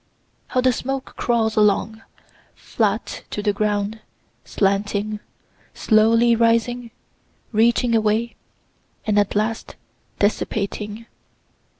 How the smoke crawls along, flat to the ground, slanting, slowly rising, reaching away, and at last dissipating.